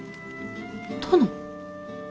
殿？